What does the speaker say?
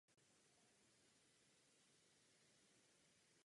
Tento pořad byl po dvou sezónách zrušen.